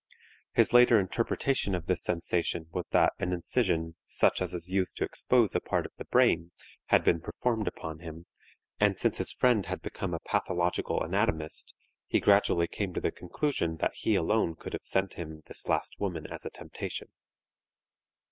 His later interpretation of this sensation was that an incision such as is used to expose a part of the brain had been performed upon him, and since his friend had become a pathological anatomist, he gradually came to the conclusion that he alone could have sent him this last woman as a temptation.